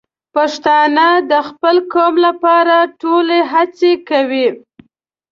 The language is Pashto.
پښتانه د خپل قوم لپاره ټولې هڅې کوي.